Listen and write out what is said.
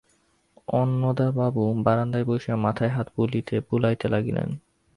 অন্নদাবাবু বারান্দায় বসিয়া মাথায় হাত বুলাইতে লাগিলেন।